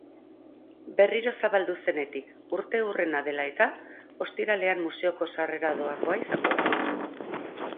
Berriro zabaldu zenetik urteurrena dela eta, ostiralean museoko sarrera doakoa izango da.